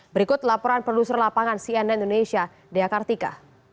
berikut laporan produser lapangan cnn indonesia dea kartika